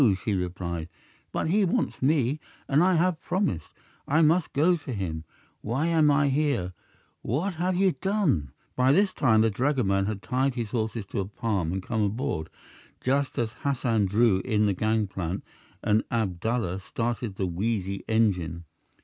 she replied; "but he wants me, and I have promised; I must go to him. Why am I here? What have you done?" By this time the dragoman had tied his horses to a palm and come aboard, just as Hassan drew in the gangplank and Abdallah started the wheezy engine.